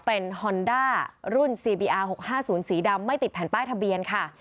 เป็นฮอนด้ารุ่นซีบีอาร์๖๕๐สีดำไม่ติดแผ่นป้ายทะเบียนค่ะ